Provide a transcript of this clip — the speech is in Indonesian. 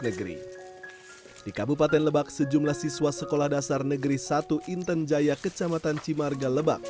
negeri di kabupaten lebak sejumlah siswa sekolah dasar negeri satu inten jaya kecamatan cimarga lebak